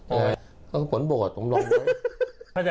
เขาคือผลโบสถ์ผมลองบ้วย